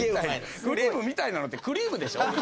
クリームみたいなのってクリームでしょ？